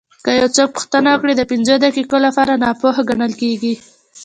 که یو څوک پوښتنه وکړي د پنځو دقیقو لپاره ناپوه ګڼل کېږي.